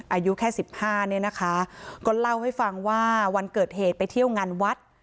อายุแค่สิบห้าเนี่ยนะคะก็เล่าให้ฟังว่าวันเกิดเหตุไปเที่ยวงานวัด